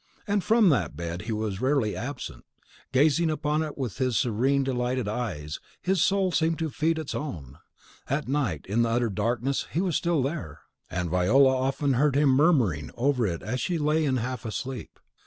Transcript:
And from that bed he was rarely absent: gazing upon it with his serene, delighted eyes, his soul seemed to feed its own. At night and in utter darkness he was still there; and Viola often heard him murmuring over it as she lay in a half sleep.